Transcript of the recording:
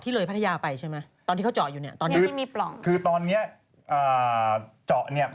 ตรงหามัดพัทยาได้